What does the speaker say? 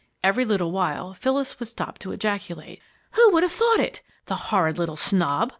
Every little while Phyllis would stop to ejaculate: "Who would have thought it! The horrid little snob!